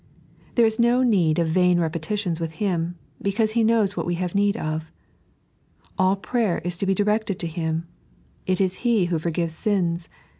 There is no need of vain repetitions with Him, because He knows what we have need of. All prayer is to be directed to Him, It is He who forgives sins.